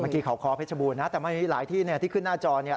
เมื่อกี้เขาคอเพชรบูรณนะแต่หลายที่ที่ขึ้นหน้าจอเนี่ย